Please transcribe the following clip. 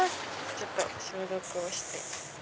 ちょっと消毒をして。